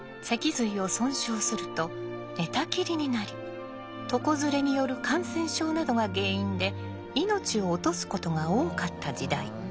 脊髄を損傷すると寝たきりになり床ずれによる感染症などが原因で命を落とすことが多かった時代。